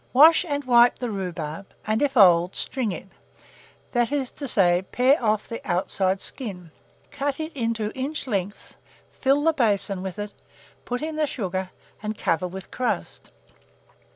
Wash and wipe the rhubarb, and, if old, string it that is to say, pare off the outside skin. Cut it into inch lengths, fill the basin with it, put in the sugar, and cover with crust.